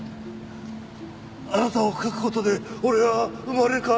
あなたを描く事で俺は生まれ変われる。